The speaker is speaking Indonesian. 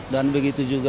dan begitu juga